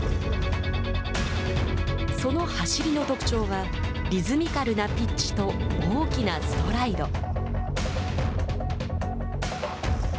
その走りの特徴はリズミカルなピッチと大きなストライド。